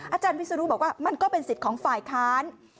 อาจารย์วิศนุบอกว่ามันก็เป็นสิทธิ์ของฝ่ายค้าน